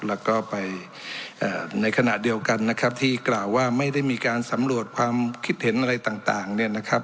แล้วก็ไปในขณะเดียวกันนะครับที่กล่าวว่าไม่ได้มีการสำรวจความคิดเห็นอะไรต่างเนี่ยนะครับ